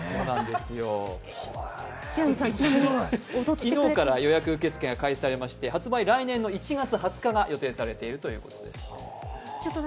昨日から予約受け付けが開始されまして発売は来年の１月２０日が予定されているということです。